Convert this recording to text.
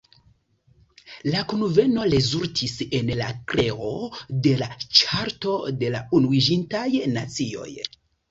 La kunveno rezultis en la kreo de la Ĉarto de la Unuiĝintaj Nacioj.